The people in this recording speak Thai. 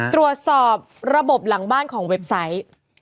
ตรวจสอบระบบหลังบ้านของเว็บไซต์